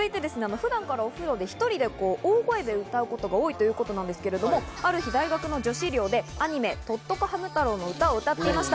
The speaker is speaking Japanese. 普段からお風呂で１人で大声で歌うことが多いということなんですが、大学の女子寮でアニメ『とっとこハム太郎』の歌を歌っていました。